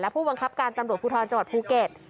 ผู้บังคับการตำรวจภูทรจังหวัดภูเก็ต